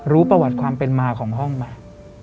รู้ประวัติความเป็นมาของห้องไหม